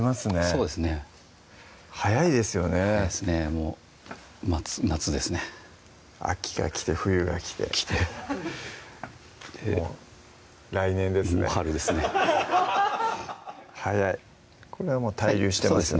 そうですね早いですよね早いですねもう夏ですね秋が来て冬が来て来てもう来年ですねもう春ですね早いこれはもう対流してますね